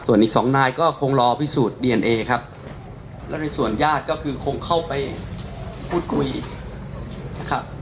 ส่วนอีกสองนายก็คงรอพิสูจน์ดีเอนเอครับแล้วในส่วนญาติก็คือคงเข้าไปพูดคุยนะครับ